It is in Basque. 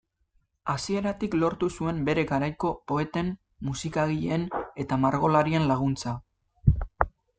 Hasieratik lortu zuen bere garaiko poeten, musikagileen eta margolarien laguntza.